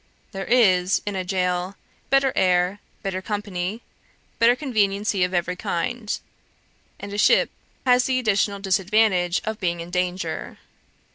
There is, in a gaol, better air, better company, better conveniency of every kind; and a ship has the additional disadvantage of being in danger.